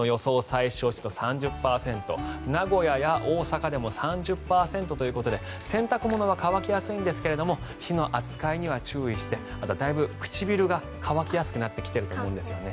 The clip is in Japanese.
最小湿度、３０％名古屋や大阪でも３０％ということで洗濯物は乾きやすいんですが火の扱いには注意してあとはだいぶ唇が乾きやすくなってきていると思うんですよね。